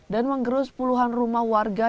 dan menggerus puluhan rumah warga